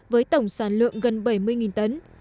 với tổng sản lượng gần bảy mươi tấn